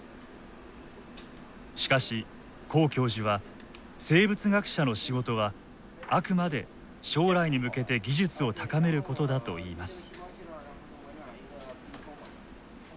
しかし黄教授は生物学者の仕事はあくまで将来に向けて技術を高めることだといいます。